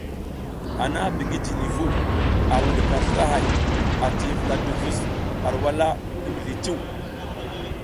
Hana bigi jini vu, ar wuɗika slra hay ati vula duvus ar wala ngi mizli cuw.